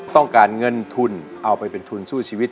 ต้องการเงินทุนเอาไปเป็นทุนสู้ชีวิต